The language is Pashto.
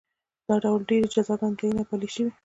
دا ډول ډېرې جزاګانې تعین او پلې شوې.